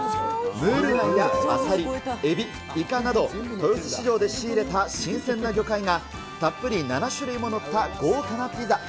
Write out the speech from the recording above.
ムール貝やアサリ、エビ、イカなど、豊洲市場で仕入れた新鮮な魚介が、たっぷり７種類も載った豪華なピザ。